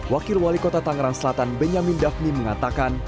wakil wali kota tangerang selatan benyamin daphmi mengatakan